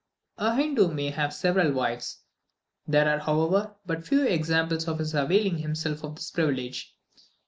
A Hindoo may have several wives; there are, however, but few examples of his availing himself of this privilege.